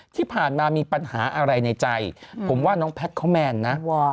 ที่ผ่านมามีปัญหาอะไรในใจผมว่าน้องแพทย์เขาแมนนะ